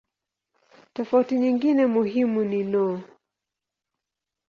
Tofauti nyingine muhimu ni no.